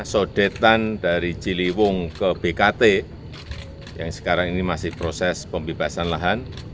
sodetan dari ciliwung ke bkt yang sekarang ini masih proses pembebasan lahan